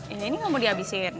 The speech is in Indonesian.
ini gak mau dihabisin